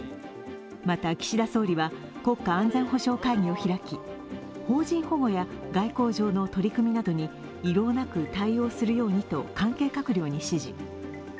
また、岸田総理は国家安全保障会議を開き、邦人保護や外交上の取り組みなどに遺漏なく対応するようにと関係閣僚に指示。